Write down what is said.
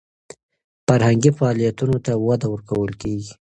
فرهنګي فعالیتونو ته وده ورکول کیږي.